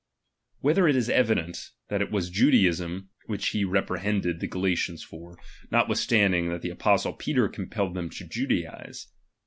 Where it is evident, that it was Judaism which he reprehended the Galatians for, notwith standing that the apostle Peter compelled them to Judaize.